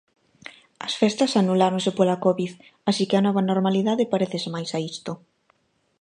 As festas anuláronse pola covid, así que a nova normalidade parécese máis a isto.